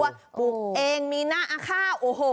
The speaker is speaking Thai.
ปลูกเองมีหน้าค่า